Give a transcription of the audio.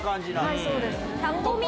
はい、そうです。